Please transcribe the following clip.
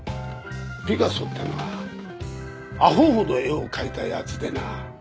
ピカソってのはアホほど絵を描いたやつでな。